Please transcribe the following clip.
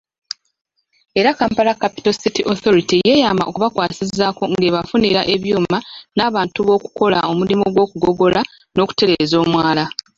Era Kampala Capital City Authority yeeyama okubakwasizaako ng'ebafunira ebyuma n'abantu b'okukola omulimu gw'okugogola n'okutereeza omwala.